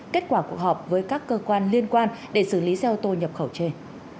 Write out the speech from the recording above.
kết quả cuộc họp với các cơ quan liên quan để xử lý xe ô tô nhập khẩu trên